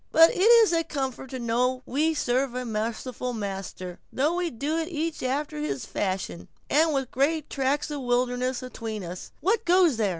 But it is a comfort to know we serve a merciful Master, though we do it each after his fashion, and with great tracts of wilderness atween us—what goes there?"